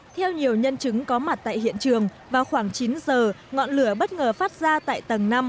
theo nhiều nhân chứng có mặt tại hiện trường vào khoảng chín giờ ngọn lửa bất ngờ phát ra tại tầng năm